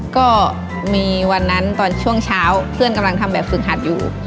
ก็มีวันนั้นตอนช่วงเช้าเพื่อนกำลังทำแบบฝึกหัดอยู่